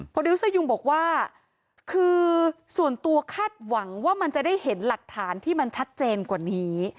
ดิวสยุงบอกว่าคือส่วนตัวคาดหวังว่ามันจะได้เห็นหลักฐานที่มันชัดเจนกว่านี้